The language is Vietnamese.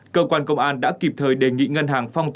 cơ quan công an đã kịp thời đề nghị ngân hàng phong tỏa